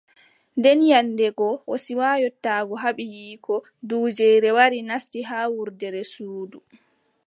Nden nyande go, o siwa yottaago haa ɓiiyiiko, duujiire wari nasti haa wurdere suudu.